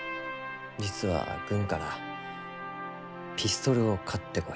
実は軍からピストルを買ってこいと。